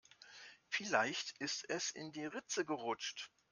Vielleicht ist es in die Ritze gerutscht.